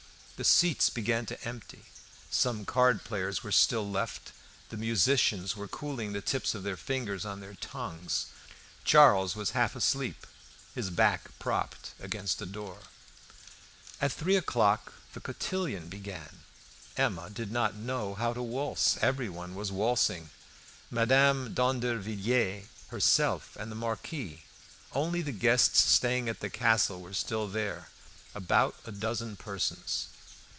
The seats began to empty, some card players were still left; the musicians were cooling the tips of their fingers on their tongues. Charles was half asleep, his back propped against a door. With almond milk At three o'clock the cotillion began. Emma did not know how to waltz. Everyone was waltzing, Mademoiselle d'Andervilliers herself and the Marquis; only the guests staying at the castle were still there, about a dozen persons.